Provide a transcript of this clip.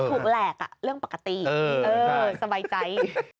แหลกเรื่องปกติสบายใจ